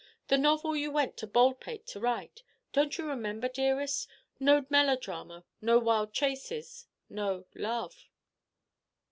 "The novel you went to Baldpate to write Don't you remember, dearest no melodrama, no wild chase, no love?"